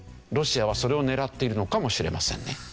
ロシアはそれを狙っているのかもしれませんね。